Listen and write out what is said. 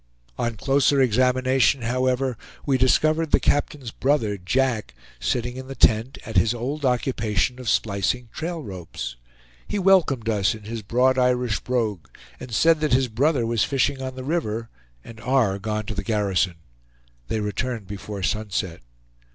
On closer examination, however, we discovered the captain's brother, Jack, sitting in the tent, at his old occupation of splicing trail ropes. He welcomed us in his broad Irish brogue, and said that his brother was fishing in the river, and R. gone to the garrison. They returned before sunset.